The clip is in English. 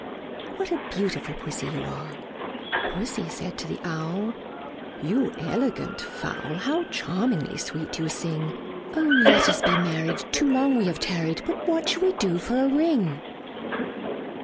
What a beautiful Pussy you are!" Pussy said to the Owl, "You elegant fowl! How charmingly sweet you sing! O let us be married! too long we have tarried: But what shall we do for a ring?"